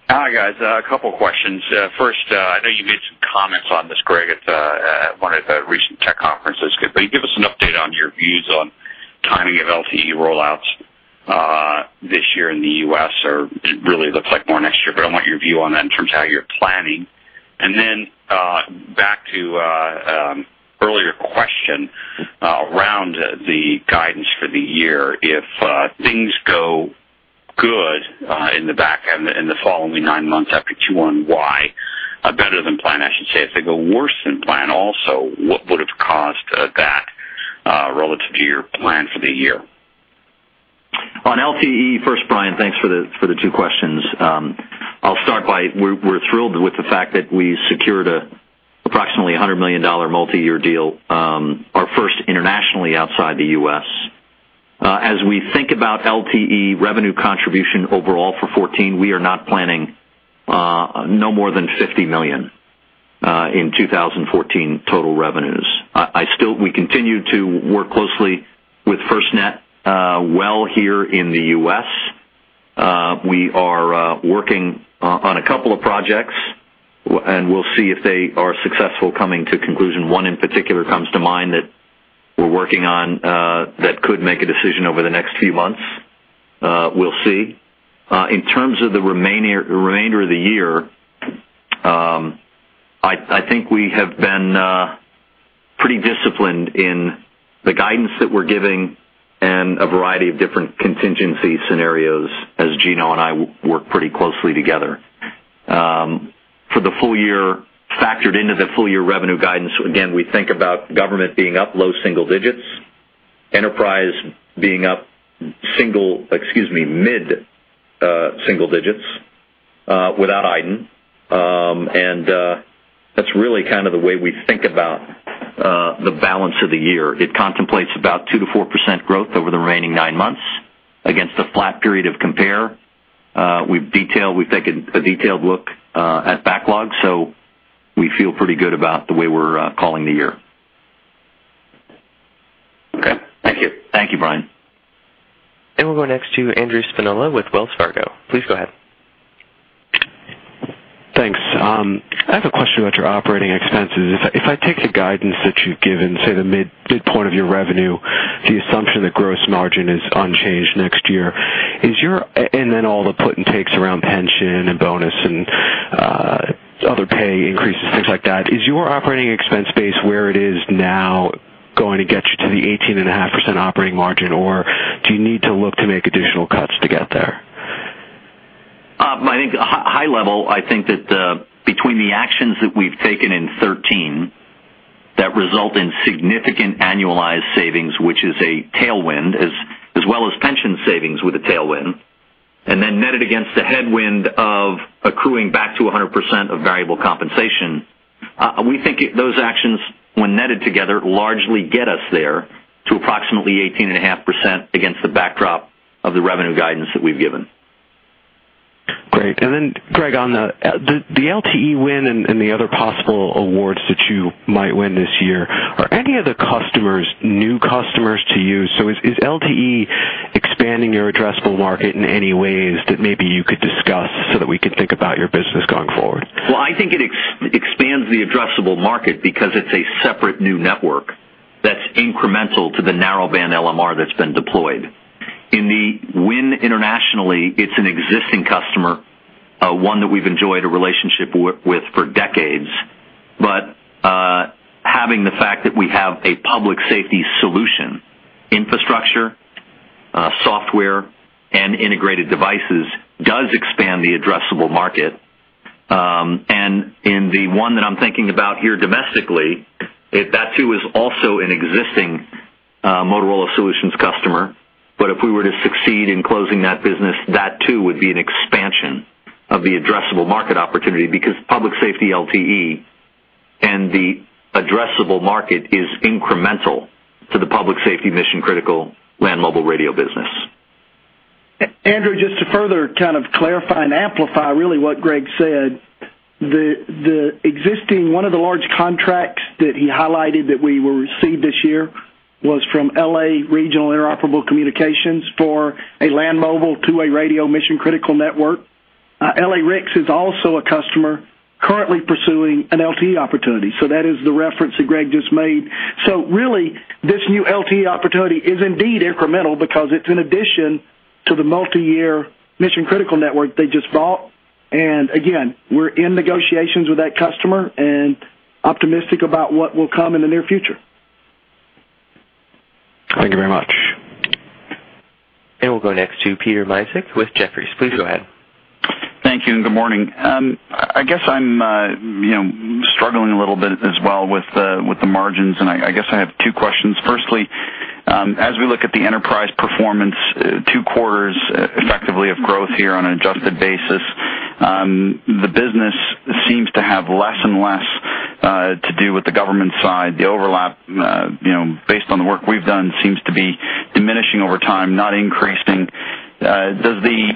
Hi, guys. A couple of questions. First, I know you made some comments on this, Greg, at one of the recent tech conferences. But give us an update on your views on timing of LTE rollouts this year in the U.S., or it really looks like more next year. But I want your view on that in terms of how you're planning. And then back to earlier question around the guidance for the year. If things go good in the back end in the following nine months after Q1, why? Better than plan, I should say. If they go worse than plan also, what would have caused that relative to your plan for the year?
On LTE first, Brian, thanks for the two questions. I'll start by we're thrilled with the fact that we secured an approximately $100 million multi-year deal, our first internationally outside the U.S. As we think about LTE revenue contribution overall for 2014, we are not planning no more than $50 million in 2014 total revenues. We continue to work closely with FirstNet, well, here in the U.S. We are working on a couple of projects, and we'll see if they are successful coming to conclusion. One in particular comes to mind that we're working on that could make a decision over the next few months. We'll see. In terms of the remainder of the year, I think we have been pretty disciplined in the guidance that we're giving and a variety of different contingency scenarios as Gino and I work pretty closely together. For the full year, factored into the full-year revenue guidance, again, we think about government being up low single digits, enterprise being up single—excuse me, mid single digits—without iDEN. That's really kind of the way we think about the balance of the year. It contemplates about 2%-4% growth over the remaining nine months against a flat period of compare. We've detailed a detailed look at backlog, so we feel pretty good about the way we're calling the year.
Okay. Thank you.
Thank you, Brian.
We'll go next to Andrew Spinola with Wells Fargo. Please go ahead.
Thanks. I have a question about your operating expenses. If I take the guidance that you've given, say the midpoint of your revenue, the assumption that gross margin is unchanged next year, and then all the put and takes around pension and bonus and other pay increases, things like that, is your operating expense base where it is now going to get you to the 18.5% operating margin, or do you need to look to make additional cuts to get there?
I think high level, I think that between the actions that we've taken in 2013 that result in significant annualized savings, which is a tailwind, as well as pension savings with a tailwind, and then netted against the headwind of accruing back to 100% of variable compensation, we think those actions, when netted together, largely get us there to approximately 18.5% against the backdrop of the revenue guidance that we've given.
Great. And then, Greg, on the LTE win and the other possible awards that you might win this year, are any of the customers new customers to you? So is LTE expanding your addressable market in any ways that maybe you could discuss so that we could think about your business going forward?
Well, I think it expands the addressable market because it's a separate new network that's incremental to the narrowband LMR that's been deployed. In the win internationally, it's an existing customer, one that we've enjoyed a relationship with for decades. But having the fact that we have a public safety solution, infrastructure, software, and integrated devices does expand the addressable market. And in the one that I'm thinking about here domestically, that too is also an existing Motorola Solutions customer. But if we were to succeed in closing that business, that too would be an expansion of the addressable market opportunity because public safety LTE and the addressable market is incremental to the public safety mission-critical land mobile radio business.
Andrew, just to further kind of clarify and amplify really what Greg said, one of the large contracts that he highlighted that we will receive this year was from LA-RICS for a land mobile radio mission-critical network. LA-RICS is also a customer currently pursuing an LTE opportunity. So that is the reference that Greg just made. So really, this new LTE opportunity is indeed incremental because it's in addition to the multi-year mission-critical network they just bought. And again, we're in negotiations with that customer and optimistic about what will come in the near future.
Thank you very much.
And we'll go next to Peter Misek with Jefferies. Please go ahead.
Thank you. And good morning. I guess I'm struggling a little bit as well with the margins, and I guess I have two questions. Firstly, as we look at the enterprise performance, two quarters effectively of growth here on an adjusted basis, the business seems to have less and less to do with the government side. The overlap, based on the work we've done, seems to be diminishing over time, not increasing. Does the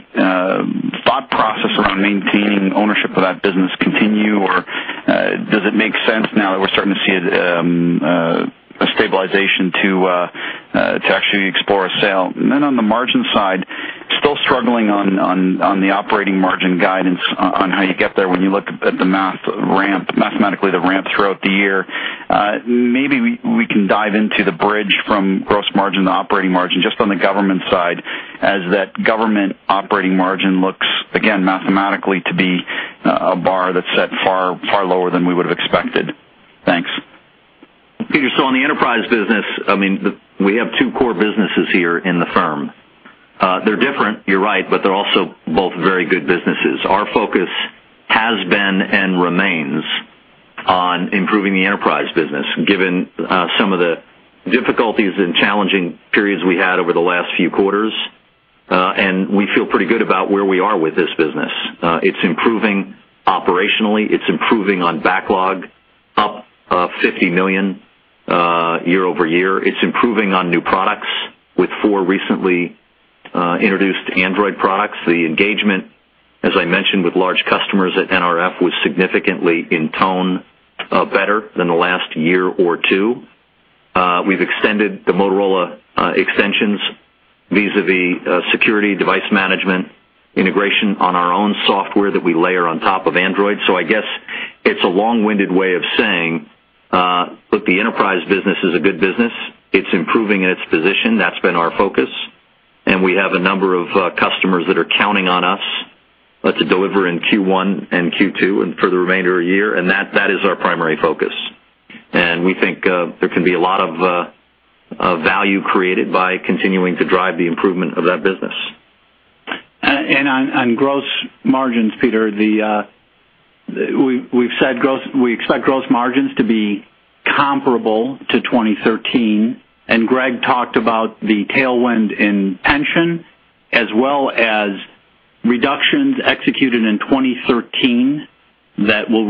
thought process around maintaining ownership of that business continue, or does it make sense now that we're starting to see a stabilization to actually explore a sale? And then on the margin side, still struggling on the operating margin guidance on how you get there when you look at the mathematically the ramp throughout the year. Maybe we can dive into the bridge from gross margin to operating margin just on the government side as that government operating margin looks, again, mathematically to be a bar that's set far lower than we would have expected. Thanks.
Peter, so on enterprise business, I mean, we have two core businesses here in the firm. They're different, you're right, but they're also both very good businesses. Our focus has been and remains on improving enterprise business, given some of the difficulties and challenging periods we had over the last few quarters. We feel pretty good about where we are with this business. It's improving operationally. It's improving on backlog up $50 million year-over-year. It's improving on new products with four recently introduced Android products. The engagement, as I mentioned, with large customers at NRF was significantly in tone better than the last year or two. We've extended the Motorola extensions vis-à-vis security device management integration on our own software that we layer on top of Android. I guess it's a long-winded way of saying, look, enterprise business is a good business. It's improving in its position. That's been our focus. And we have a number of customers that are counting on us to deliver in Q1 and Q2 and for the remainder of the year. And that is our primary focus. And we think there can be a lot of value created by continuing to drive the improvement of that business.
And on gross margins, Peter, we've said we expect gross margins to be comparable to 2013. And Greg talked about the tailwind in pension as well as reductions executed in 2013 that will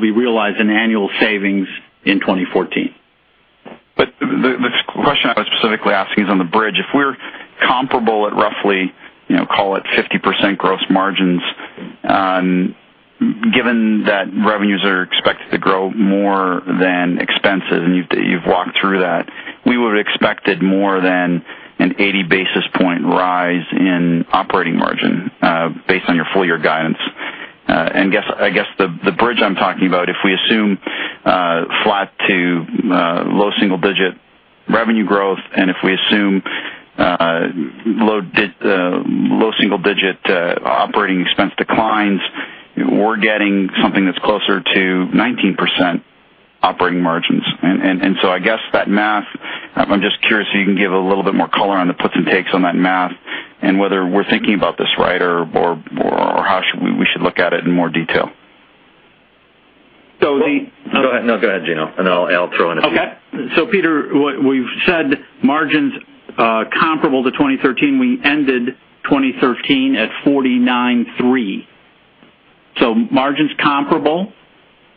be realized in annual savings in 2014.
But the question I was specifically asking is on the bridge. If we're comparable at roughly, call it 50% gross margins, given that revenues are expected to grow more than expenses, and you've walked through that, we would have expected more than an 80 basis point rise in operating margin based on your full-year guidance.I guess the bridge I'm talking about, if we assume flat to low single-digit revenue growth, and if we assume low single-digit operating expense declines, we're getting something that's closer to 19% operating margins. So I guess that math, I'm just curious if you can give a little bit more color on the puts and takes on that math and whether we're thinking about this right or how we should look at it in more detail.
Go ahead. No, go ahead, Gino. And I'll throw in a few.
Okay. So Peter, we've said margins comparable to 2013. We ended 2013 at 49.3%. So margins comparable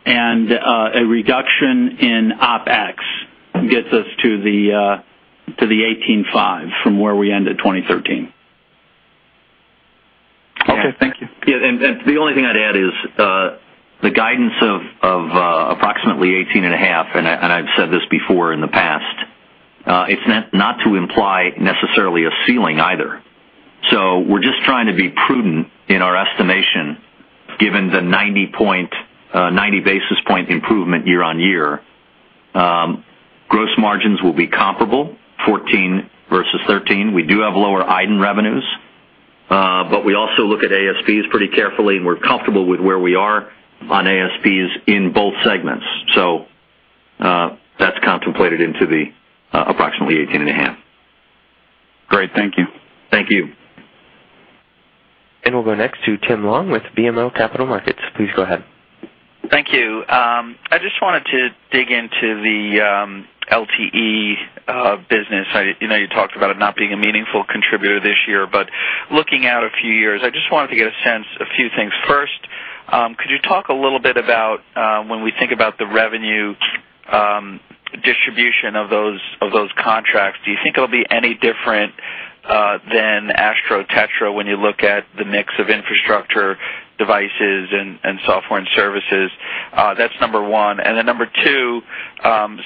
and a reduction in OpEx gets us to the 18.5% from where we ended 2013.
Okay. Thank you. Yeah.
The only thing I'd add is the guidance of approximately 18.5, and I've said this before in the past. It's not to imply necessarily a ceiling either. So we're just trying to be prudent in our estimation given the 90 basis point improvement year-over-year. Gross margins will be comparable, 14 versus 13. We do have lower iDEN revenues, but we also look at ASPs pretty carefully, and we're comfortable with where we are on ASPs in both segments. So that's contemplated into the approximately 18.5.
Great. Thank you.
Thank you.
And we'll go next to Tim Long with BMO Capital Markets. Please go ahead.
Thank you. I just wanted to dig into the LTE business. You talked about it not being a meaningful contributor this year, but looking out a few years, I just wanted to get a sense of a few things. First, could you talk a little bit about when we think about the revenue distribution of those contracts, do you think it'll be any different than ASTRO, TETRA when you look at the mix of infrastructure devices and software and services? That's number one. And then number two,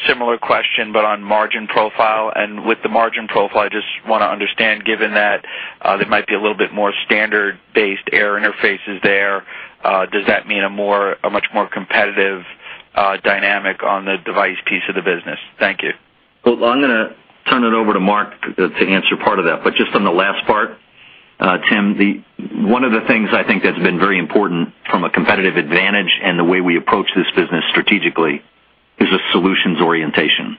similar question, but on margin profile. And with the margin profile, I just want to understand, given that there might be a little bit more standards-based air interfaces there, does that mean a much more competitive dynamic on the device piece of the business? Thank you.
Well, I'm going to turn it over to Mark to answer part of that. But just on the last part, Tim, one of the things I think that's been very important from a competitive advantage and the way we approach this business strategically is a solutions orientation.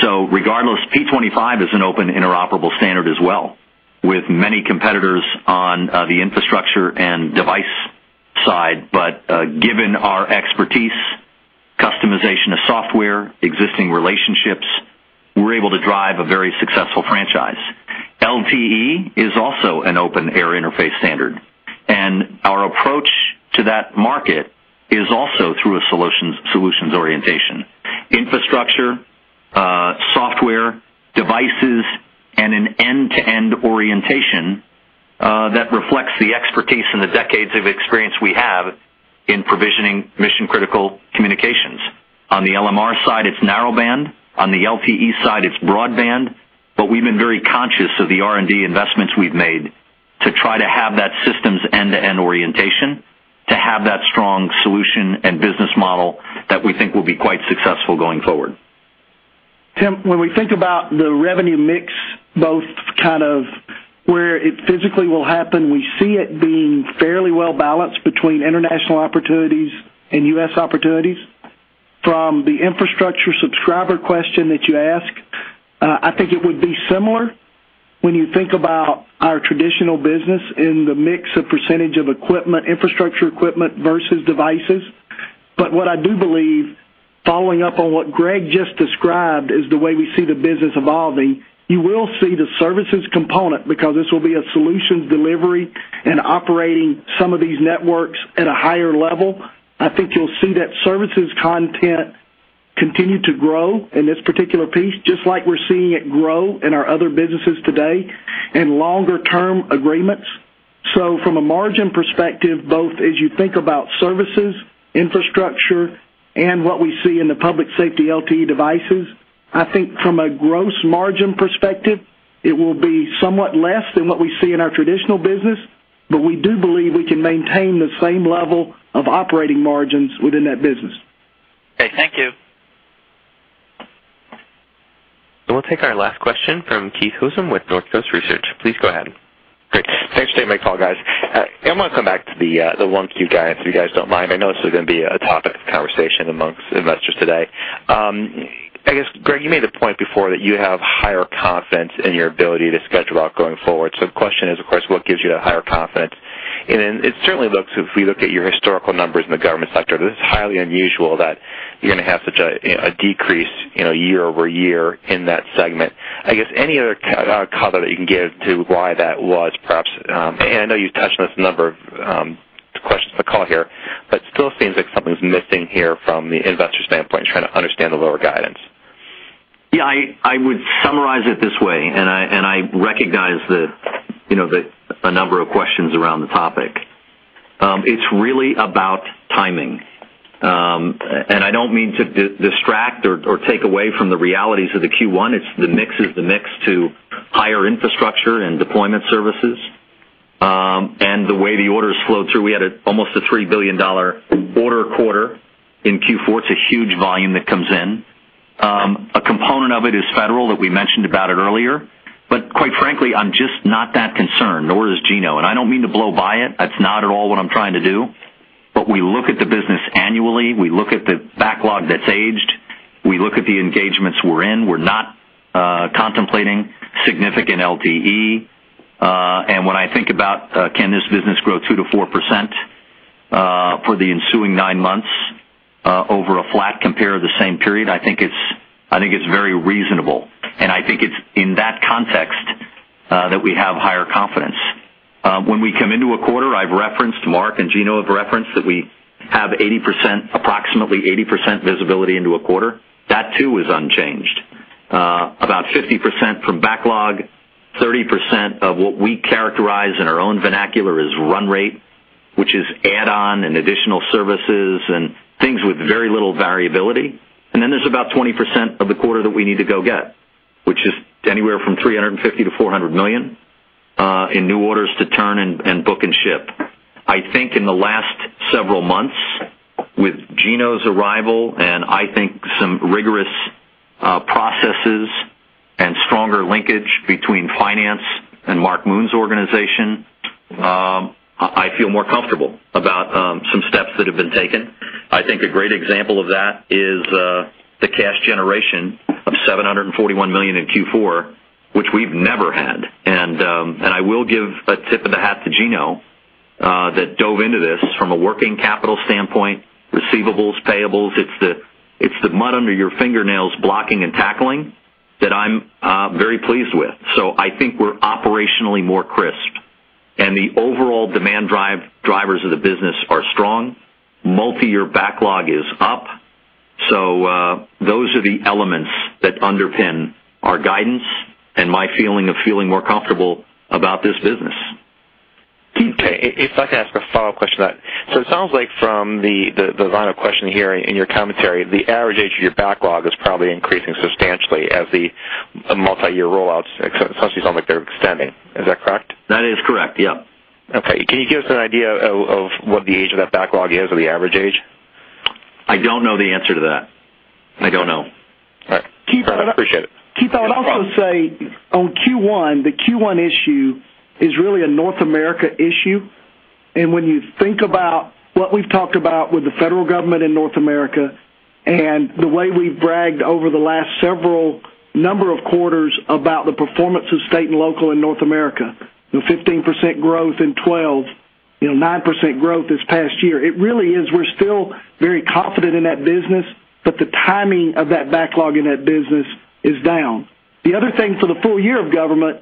So regardless, P25 is an open interoperable standard as well with many competitors on the infrastructure and device side. But given our expertise, customization of software, existing relationships, we're able to drive a very successful franchise. LTE is also an open air interface standard. And our approach to that market is also through a solutions orientation. Infrastructure, software, devices, and an end-to-end orientation that reflects the expertise and the decades of experience we have in provisioning mission-critical communications. On the LMR side, it's narrowband. On the LTE side, it's broadband. But we've been very conscious of the R&D investments we've made to try to have that systems end-to-end orientation, to have that strong solution and business model that we think will be quite successful going forward.
Tim, when we think about the revenue mix, both kind of where it physically will happen, we see it being fairly well balanced between international opportunities and U.S. opportunities. From the infrastructure subscriber question that you asked, I think it would be similar when you think about our traditional business in the mix of percentage of infrastructure equipment versus devices. But what I do believe, following up on what Greg just described as the way we see the business evolving, you will see the services component because this will be a solutions delivery and operating some of these networks at a higher level. I think you'll see that services content continue to grow in this particular piece, just like we're seeing it grow in our other businesses today and longer-term agreements. So from a margin perspective, both as you think about services, infrastructure, and what we see in the public safety LTE devices, I think from a gross margin perspective, it will be somewhat less than what we see in our traditional business, but we do believe we can maintain the same level of operating margins within that business.
Okay. Thank you.
And we'll take our last question from Keith Housum with Northcoast Research.Please go ahead.
Great. Thanks for taking my call, guys. I want to come back to the 1Q guide if you guys don't mind. I know this is going to be a topic of conversation amongst investors today. I guess, Greg, you made the point before that you have higher confidence in your ability to schedule out going forward. So the question is, of course, what gives you that higher confidence? It certainly looks, if we look at your historical numbers in the government sector, that it's highly unusual that you're going to have such a decrease year-over-year in that segment. I guess any other color that you can give to why that was perhaps? And I know you've touched on this number of questions on the call here, but it still seems like something's missing here from the investor standpoint trying to understand the lower guidance.
Yeah. I would summarize it this way, and I recognize a number of questions around the topic. It's really about timing. I don't mean to distract or take away from the realities of the Q1. It's the mix is the mix to higher infrastructure and deployment services. And the way the orders flowed through, we had almost a $3 billion order quarter in Q4. It's a huge volume that comes in. A component of it is federal that we mentioned about it earlier. But quite frankly, I'm just not that concerned, nor is Gino. And I don't mean to blow by it. That's not at all what I'm trying to do. But we look at the business annually. We look at the backlog that's aged. We look at the engagements we're in. We're not contemplating significant LTE. And when I think about can this business grow 2%-4% for the ensuing nine months over a flat compare of the same period, I think it's very reasonable. And I think it's in that context that we have higher confidence. When we come into a quarter, I've referenced Mark and Gino have referenced that we have approximately 80% visibility into a quarter. That too is unchanged. About 50% from backlog, 30% of what we characterize in our own vernacular is run rate, which is add-on and additional services and things with very little variability. And then there's about 20% of the quarter that we need to go get, which is anywhere from $350 million-$400 million in new orders to turn and book and ship. I think in the last several months, with Gino's arrival and I think some rigorous processes and stronger linkage between finance and Mark Moon's organization, I feel more comfortable about some steps that have been taken. I think a great example of that is the cash generation of $741 million in Q4, which we've never had. And I will give a tip of the hat to Gino that dove into this from a working capital standpoint, receivables, payables.It's the mud under your fingernails blocking and tackling that I'm very pleased with. So I think we're operationally more crisp. And the overall demand drivers of the business are strong. Multi-year backlog is up. So those are the elements that underpin our guidance and my feeling of feeling more comfortable about this business.
Okay. If I can ask a follow-up question on that. So it sounds like from the line of question here in your commentary, the average age of your backlog is probably increasing substantially as the multi-year rollouts essentially sound like they're extending. Is that correct?
That is correct. Yep. Okay.
Can you give us an idea of what the age of that backlog is or the average age?
I don't know the answer to that. I don't know.
All right. Keep that.
I appreciate it.
Keith.I would also say on Q1, the Q1 issue is really a North America issue. And when you think about what we've talked about with the federal government in North America and the way we've bragged over the last several number of quarters about the performance of state and local in North America, 15% growth in 2012, 9% growth this past year. It really is we're still very confident in that business, but the timing of that backlog in that business is down. The other thing for the full year of government,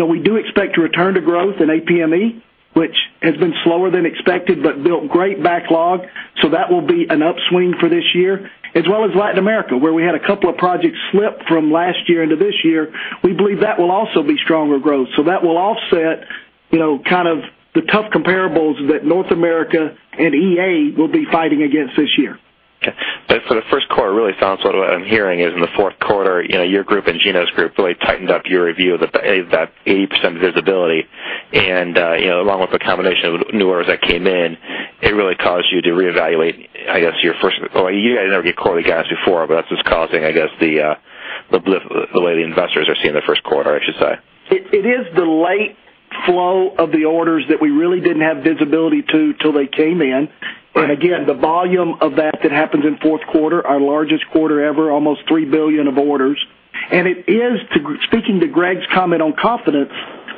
we do expect to return to growth in APME, which has been slower than expected but built great backlog. So that will be an upswing for this year. As well as Latin America, where we had a couple of projects slip from last year into this year, we believe that will also be stronger growth. So that will offset kind of the tough comparables that North America and EA will be fighting against this year.
Okay. But for the first quarter, it really sounds what I'm hearing is in the fourth quarter, your group and Gino's group really tightened up your review of that 80% visibility. And along with the combination of new orders that came in, it really caused you to reevaluate, I guess, your first well, you guys never get quarterly guidance before, but that's just causing, I guess, the way the investors are seeing the first quarter, I should say.
It is the light flow of the orders that we really didn't have visibility to till they came in. And again, the volume of that that happens in fourth quarter, our largest quarter ever, almost $3 billion of orders. Speaking to Greg's comment on confidence,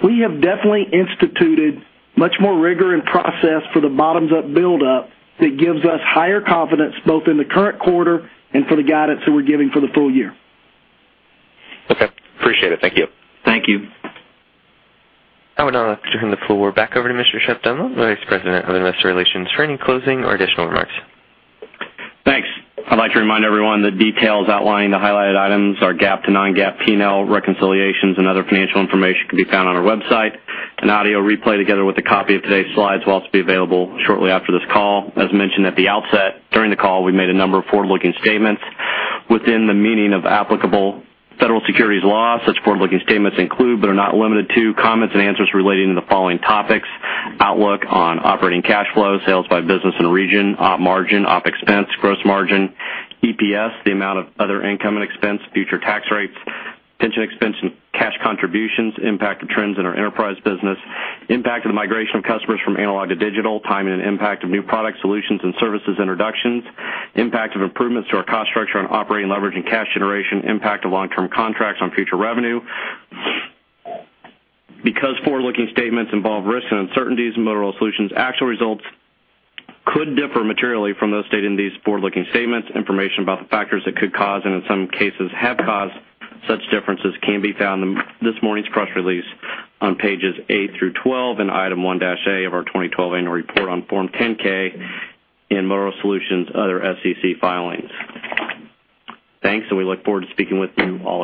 we have definitely instituted much more rigor and process for the bottoms-up build-up that gives us higher confidence both in the current quarter and for the guidance that we're giving for the full year.
Okay. Appreciate it. Thank you.
Thank you.
I would now like to turn the floor back over to Mr. Shep Dunlap, Vice President of Investor Relations. For any closing or additional remarks?
Thanks. I'd like to remind everyone the details outlining the highlighted items, our GAAP to non-GAAP P&L reconciliations, and other financial information can be found on our website. An audio replay together with a copy of today's slides will also be available shortly after this call. As mentioned at the outset, during the call, we made a number of forward-looking statements. Within the meaning of applicable federal securities law, such forward-looking statements include but are not limited to comments and answers relating to the following topics: outlook on operating cash flow, sales by business and region, Op margin, Op expense, gross margin, EPS, the amount of other income and expense, future tax rates, pension expense, and cash contributions, impact of trends in enterprise business, impact of the migration of customers from analog to digital, timing and impact of new products, solutions, and services introductions, impact of improvements to our cost structure on operating leverage and cash generation, impact of long-term contracts on future revenue. Because forward-looking statements involve risks and uncertainties in Motorola Solutions, actual results could differ materially from those stated in these forward-looking statements. Information about the factors that could cause and in some cases have caused such differences can be found in this morning's press release on pages eight through 12 and Item 1A of our 2012 annual report on Form 10-K in Motorola Solutions' other SEC filings. Thanks, and we look forward to speaking with you all.